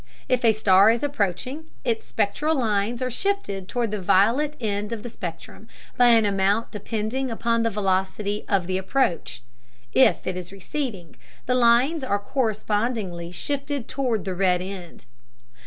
If a star is approaching, its spectral lines are shifted toward the violet end of the spectrum by an amount depending upon the velocity of approach; if it is receding, the lines are correspondingly shifted toward the red end.